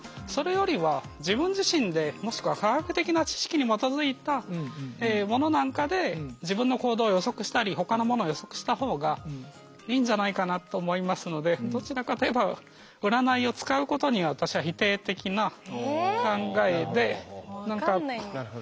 それよりは自分自身でもしくは科学的な知識に基づいたものなんかで自分の行動を予測したりほかのものを予測した方がいいんじゃないかなと思いますのでどちらかといえば占いを使うことに私は否定的な考えで。